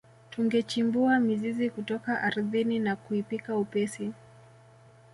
Tungechimbua mizizi kutoka ardhini na kuipika upesi